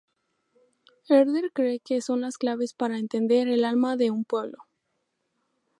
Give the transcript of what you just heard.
Herder cree que son las claves para entender el alma de un pueblo.